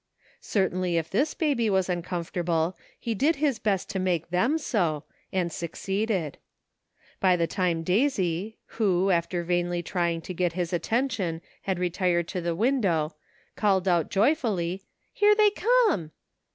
Certainly if this baby was uncomfortable he did his best to make them so, and succeeded. By the time Daisy, who, after vainly trying to get his attention, had retired to the window, called out joyfully, " There they come